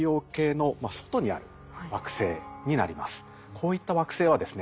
こういった惑星はですね